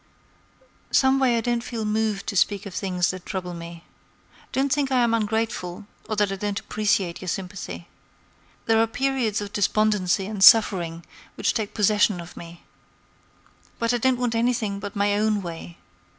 "Some way I don't feel moved to speak of things that trouble me. Don't think I am ungrateful or that I don't appreciate your sympathy. There are periods of despondency and suffering which take possession of me. But I don't want anything but my own way.